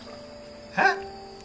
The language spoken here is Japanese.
えっ！？